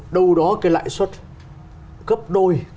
đâu đó cái lãi suất cấp đôi